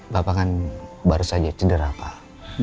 bapak kan baru saja cederakan